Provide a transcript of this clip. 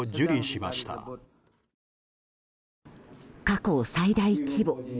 過去最大規模